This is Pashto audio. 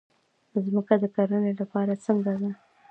ځمکه د کرنې لپاره څنګه ده؟